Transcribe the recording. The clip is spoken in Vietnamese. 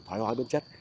thói hóa bước chất